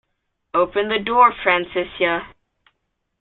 Open the door, Francesca!